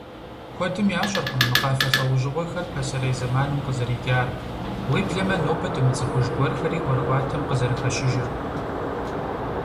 Куэдым ящӏэркъым мы къафэ лӏэужьыгъуэхэр пасэрей зэманым къызэрикӏар, уеблэмэ нобэ дымыцӏыхуж гуэрхэри ӏуэрыӏуатэм къызэрыхэщыжыр.